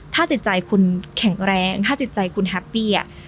ถ้าจิตใจคุณแข็งแรงถ้าจิตใจคุณแฮปปี้